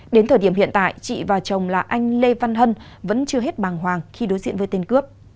đến thời điểm hiện tại chị và chồng là anh lê văn hân vẫn chưa hết bàng hoàng khi đối diện với tên cướp